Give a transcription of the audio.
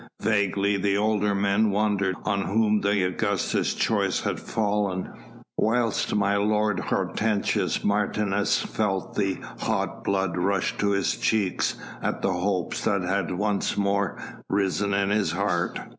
Vaguely the older men wondered on whom the Augusta's choice had fallen, whilst my lord Hortensius Martius felt the hot blood rush to his cheeks at the hopes that had once more risen in his heart.